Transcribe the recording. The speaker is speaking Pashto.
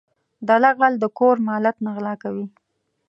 دله غل د کور مالت نه غلا کوي.